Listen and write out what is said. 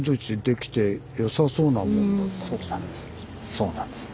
そうなんです。